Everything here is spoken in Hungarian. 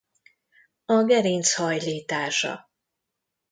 A gerinc hajlítása.